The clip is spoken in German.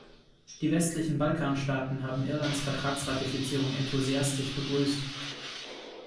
Die westlichen Balkanstaaten haben Irlands Vertragsratifizierung enthusiastisch begrüßt.